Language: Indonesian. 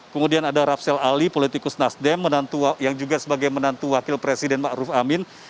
kemudian ada rapsel ali politikus nasdem yang juga sebagai menantu wakil presiden ma'ruf amin